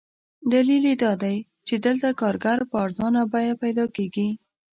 دلیل یې دادی چې دلته کارګر په ارزانه بیه پیدا کېږي.